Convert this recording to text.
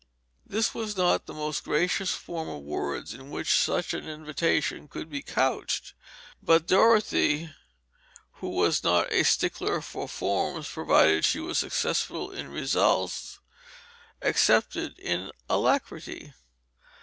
This was not the most gracious form of words in which an invitation could be couched; but Dorothy, who was not a stickler for forms provided she was successful in results, accepted it with alacrity.